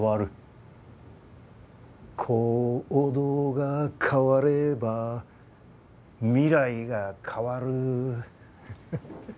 行動が変われば未来が変わる。